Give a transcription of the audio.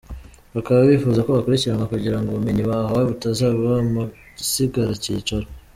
Bakaba bifuza ko bakurikiriranwa kugira ngo ubumenyi bahawe butazaba amasigaracyicaro.